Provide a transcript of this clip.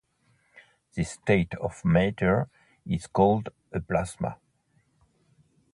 This state of matter is called a plasma.